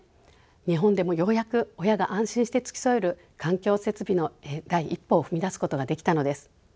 日本でもようやく親が安心して付き添える環境設備の第一歩を踏み出すことができたのです。